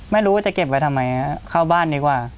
ไม่รู้ว่าจะเก็บไว้ทำไมเข้าบ้านดีกว่า